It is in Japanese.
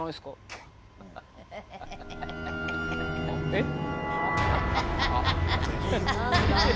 えっ。